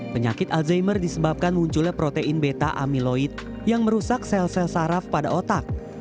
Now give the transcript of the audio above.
penyakit alzheimer disebabkan munculnya protein beta amiloid yang merusak sel sel saraf pada otak